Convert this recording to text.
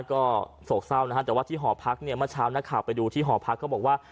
ก็โศกเศร้านะฮะแต่ว่าที่หอพักเนี่ยเมื่อเช้านักข่าวไปดูที่หอพักเขาบอกว่า